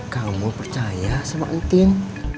kamu percaya sama entin